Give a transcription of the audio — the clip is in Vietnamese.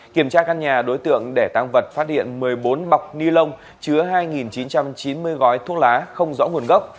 kiểm tra căn nhà đối tượng để tăng vật phát hiện một mươi bốn bọc ni lông chứa hai chín trăm chín mươi gói thuốc lá không rõ nguồn gốc